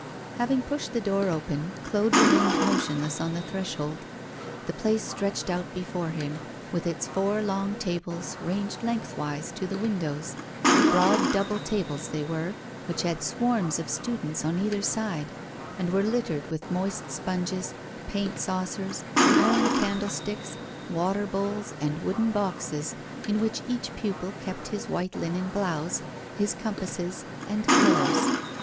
Having pushed the door open, Claude remained motionless on the threshold. The place stretched out before him, with its four long tables ranged lengthwise to the windows broad double tables they were, which had swarms of students on either side, and were littered with moist sponges, paint saucers, iron candlesticks, water bowls, and wooden boxes, in which each pupil kept his white linen blouse, his compasses, and colours.